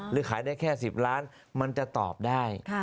ขายได้แค่๑๐ล้านมันจะตอบได้